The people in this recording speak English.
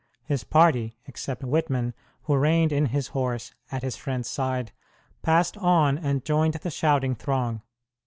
His party except Whitman, who reined in his horse at his friend's side passed on and joined the shouting throng.